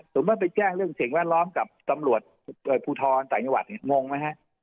สมมติไปแจ้งเรื่องเสียงแวดล้อมกับตำรวจผุทรในตญาวะงงไหมฮะ